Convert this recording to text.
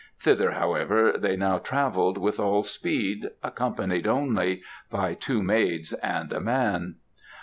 Thither, however, they now travelled with all speed, accompanied only by two maids and a man.